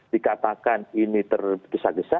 dikatakan ini tergesa gesa